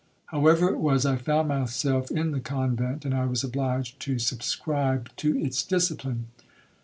However it was, I found myself in the convent, and I was obliged to subscribe to its discipline.